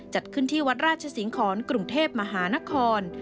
จัดขึ้นที่วัดราชสิงหอนกรุงเทพมหานคร